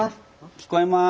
聞こえます。